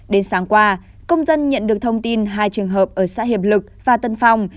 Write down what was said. đến sáng qua công dân nhận được thông tin hai trường hợp ở xã hiệp lực và tân phong